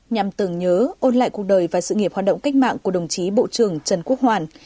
nhằm tưởng nhớ ôn lại cuộc đời và sự nghiệp hoạt động cách mạng của đồng chí bộ trưởng trần quốc hoàn